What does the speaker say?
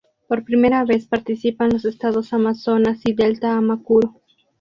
Por primera vez participan los estados Amazonas y Delta Amacuro.